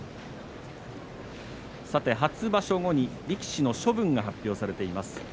初場所後に力士の処分が発表されています。